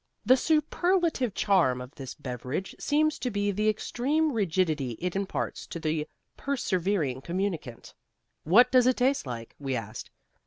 The superlative charm of this beverage seems to be the extreme rigidity it imparts to the persevering communicant. "What does it taste like?" we asked.